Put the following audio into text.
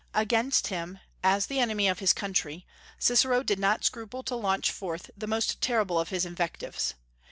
Against him, as the enemy of his country, Cicero did not scruple to launch forth the most terrible of his invectives.